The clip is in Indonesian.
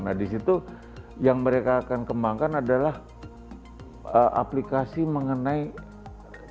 nah di situ yang mereka akan kembangkan adalah aplikasi mengenai